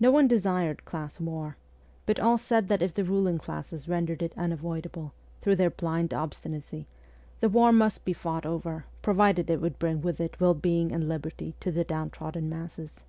No one desired class war, but all said that if the ruling classes rendered it unavoidable, through their blind obstinacy, the war must be fought over, provided it would bring with it well being and liberty to the downtrodden masses.